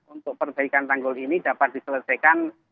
untuk perbaikan tanggul ini dapat diselesaikan